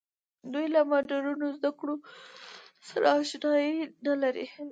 دوی له مډرنو زده کړو سره اشنايي نه لري.